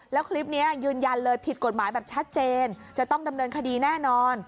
แล้วคลิปนี้ยืนยันเลยผิดกฎหมายแบบชัดเจนจะต้องดำเนินคดีแน่นอน